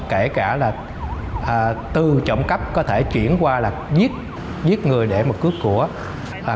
kể cả là từ trọng cấp có thể chuyển qua là giết người để mà cướp của